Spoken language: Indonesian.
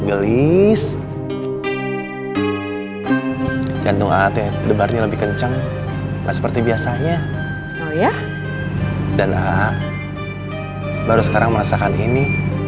jenis jantung hati debarnya lebih kencang seperti biasanya oh ya dan ah baru sekarang merasakan ini